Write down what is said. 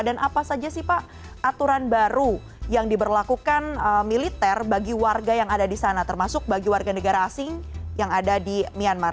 apa saja sih pak aturan baru yang diberlakukan militer bagi warga yang ada di sana termasuk bagi warga negara asing yang ada di myanmar